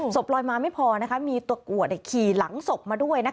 ลอยมาไม่พอมีตัวกวดขี่หลังศพมาด้วย